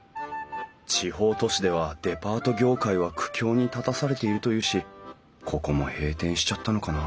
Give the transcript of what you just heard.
地方都市ではデパート業界は苦境に立たされているというしここも閉店しちゃったのかな？